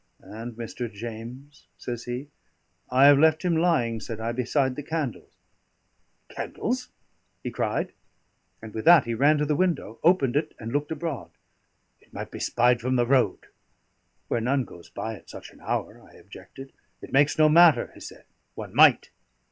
"And Mr. James?" says he. "I have left him lying," said I, "beside the candles." "Candles?" he cried. And with that he ran to the window, opened it, and looked abroad. "It might be spied from the road." "Where none goes by at such an hour," I objected. "It makes no matter," he said. "One might.